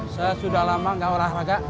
saya sudah lama gak olahraga